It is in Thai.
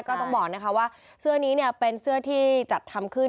ก็ต้องบอกนะคะว่าเสื้อนี้เป็นเสื้อที่จัดทำขึ้น